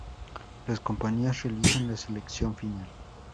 Las compañías realizan la selección final.